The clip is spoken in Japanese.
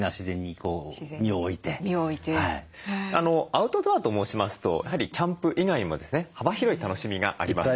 アウトドアと申しますとやはりキャンプ以外にもですね幅広い楽しみがあります。